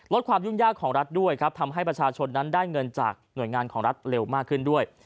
ความยุ่งยากของรัฐด้วยครับทำให้ประชาชนนั้นได้เงินจากหน่วยงานของรัฐเร็วมากขึ้นด้วย